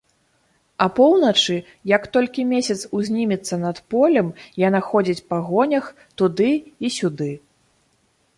Апоўначы, як толькі месяц узнімецца над полем, яна ходзіць па гонях туды і сюды.